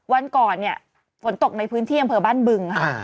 วันก่อนเนี่ยฝนตกในพื้นที่อำเภอบ้านบึงค่ะ